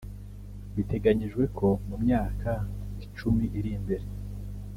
Biteganyijwe ko mu myaka icumi iri imbere